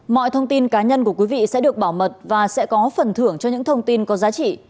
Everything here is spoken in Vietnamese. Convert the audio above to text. mọi thông tin cá nhân của quý vị sẽ được bảo mật và sẽ có phần thưởng cho những thông tin có giá trị